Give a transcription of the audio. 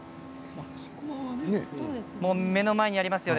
目の前にありますよね。